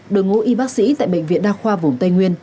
đội ngũ y bác sĩ tại bệnh viện đa khoa vùng tây nguyên